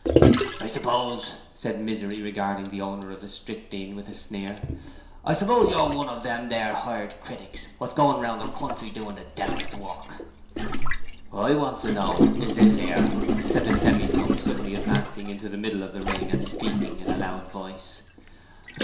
'I suppose,' said Misery, regarding the owner of the strychnine with a sneer, 'I suppose you're one of them there hired critics wot's goin' about the country doin' the Devil's work?' 'Wot I wants to know is this 'ere,' said the Semi drunk, suddenly advancing into the middle of the ring and speaking in a loud voice.